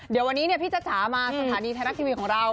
เดี๋ยววันนี้พี่จ้าจ๋ามาสถานีไทยรัฐทีวีของเรา